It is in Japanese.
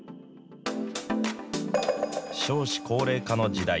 少子高齢化の時代。